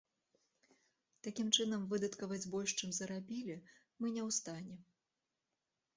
Такім чынам, выдаткаваць больш, чым зарабілі, мы не ў стане.